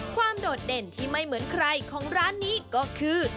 โดดเด่นที่ไม่เหมือนใครของร้านนี้ก็คือ